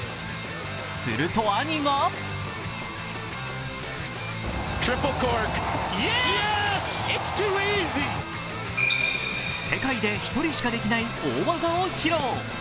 すると兄が世界で１人しか出来ない大技を受け披露。